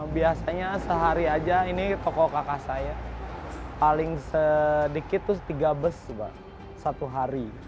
biasanya sehari aja ini toko kakak saya paling sedikit itu tiga bus satu hari